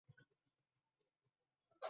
Qidiruvdagi o‘g‘ri qiz qo‘lga olindi